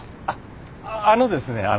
あっあのですね。